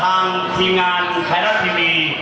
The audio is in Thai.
ทางทีมงานไทร่าทีมี